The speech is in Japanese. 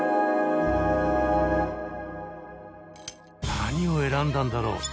何を選んだんだろう？